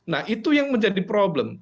nah itu yang menjadi problem